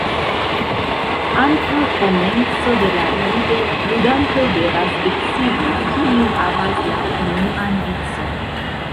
Antaŭ komenco de la ludo, ludantoj devas decidi, kiu havas la unuan vicon.